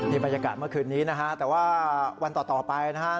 บรรยากาศเมื่อคืนนี้นะฮะแต่ว่าวันต่อไปนะฮะ